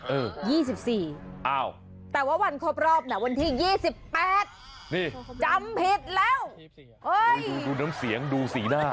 ๒๔อ้าวแต่ว่าวันครบรอบน่ะวันที่๒๘นี่จำผิดแล้วดูน้ำเสียงดูสีหน้า